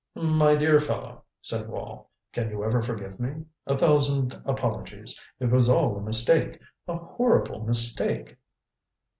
"My dear fellow," said Wall, "can you ever forgive me? A thousand apologies. It was all a mistake a horrible mistake."